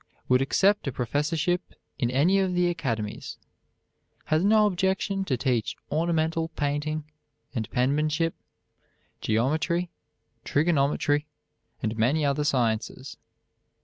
Would accept a professorship in any of the academies. Has no objection to teach ornamental painting and penmanship, geometry, trigonometry, and many other sciences.